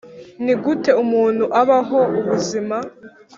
nigute umuntu abaho ubuzima